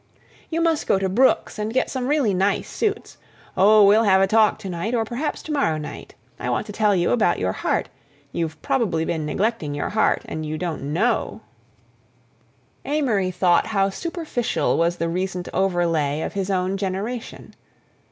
"You must go to Brooks' and get some really nice suits. Oh, we'll have a talk to night or perhaps to morrow night. I want to tell you about your heart—you've probably been neglecting your heart—and you don't know." Amory thought how superficial was the recent overlay of his own generation.